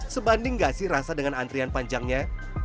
sebanding gak sih rasa dengan antrian panjangnya